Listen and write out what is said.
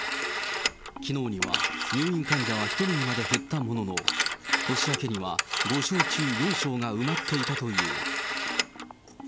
きのうには入院患者は１人にまで減ったものの、年明けには、５床中４床が埋まっていたという。